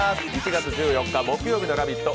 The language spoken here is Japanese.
７月１４日木曜日の「ラヴィット！」